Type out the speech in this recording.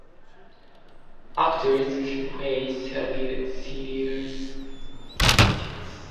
Actors could face serious penalties for appropriating the costumes of their companies.